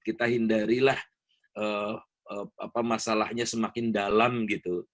kita hindarilah masalahnya semakin dalam gitu